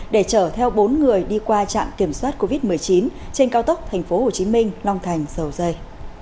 để chở theo bốn người đi qua trạm kiểm soát covid một mươi chín trên cao tốc tp hcm long thành dầu dây